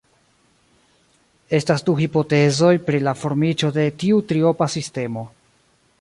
Estas du hipotezoj pri la formiĝo de tiu triopa sistemo.